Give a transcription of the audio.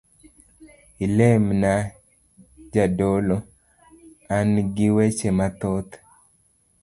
Ilemina jadolo, angi weche mathoth.